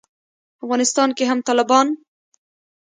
افغانستان کې هم طالبان